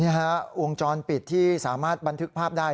ฮะวงจรปิดที่สามารถบันทึกภาพได้